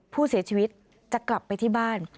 ผู้เสียชีวิตจะกลับไปที่บ้าน